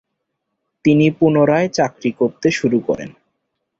তিনি পুনরায় চাকরি করতে শুরু করেন।